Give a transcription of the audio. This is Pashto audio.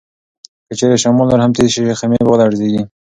که چیرې شمال نور هم تېز شي، خیمې به ولړزيږي.